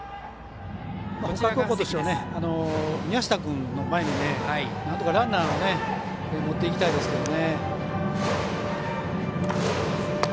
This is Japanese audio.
北海高校としては宮下君の前になんとかランナーを持っていきたいですけどね。